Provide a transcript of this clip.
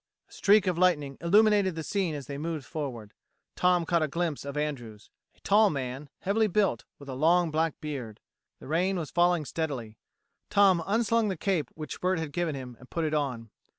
A streak of lightning illuminated the scene as they moved forward. Tom caught a glimpse of Andrews: a tall man, heavily built, with a long black beard. The rain was falling steadily. Tom unslung the cape which Bert had given him and put it on.